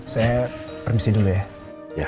saya permisi dulu ya